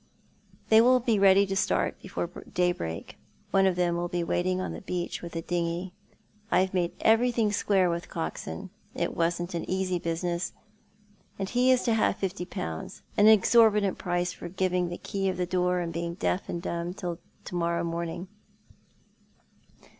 They will be ready to start before daybreak. One of tbciu will be waiting on the beach with a dinghy. I have made everything square with Coxon. It wasn't an easy business, and ho is to have fifty pounds— an exorbitant price for giving the key of the door and being deaf and dumb till to morrow morning.